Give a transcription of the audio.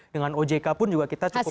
dengan ojk pun juga kita cukup